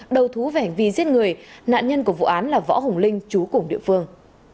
đầu thú vẻnh vì giết người nạn nhân của vụ án là võ hùng linh chú củng địa phương